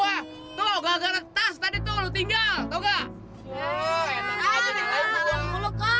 eh eh eh gara gara gua tuh gara gara tas tadi tuh lo tinggal tau gak